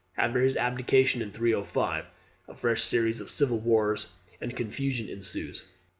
After his abdication in 305 a fresh series of civil wars and confusion ensues.